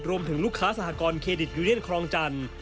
รวมถึงลูกค้าสหกรณเครดิตยูเยียนครจันทร์